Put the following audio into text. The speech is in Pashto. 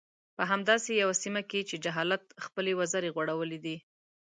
په همداسې يوه سيمه کې چې جهالت خپلې وزرې غوړولي دي.